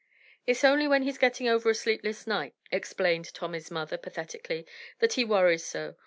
"It's only when he's gettin' over a sleepless night," explained Tommy's mother, pathetically, "that he worries so.